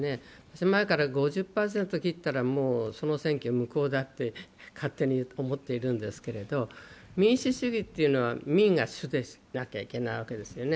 前から５０％切ったらもうその選挙は無効だって勝手に思っているんですけど、民主主義というのは民が主でないといけないわけですね。